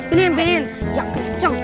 ini yang kenceng